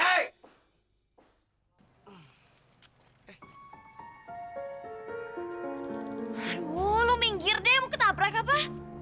aduh lu minggir deh mau ketabrak apa